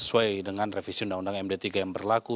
sesuai dengan revisi undang undang md tiga yang berlaku